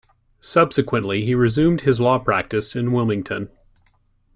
Subsequently, he resumed his law practice in Wilmington.